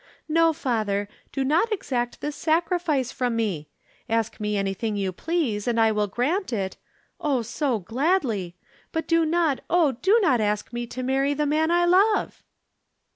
No, father, do not exact this sacrifice from me. Ask me anything you please, and I will grant it oh! so gladly but do not, oh, do not ask me to marry the man I love!"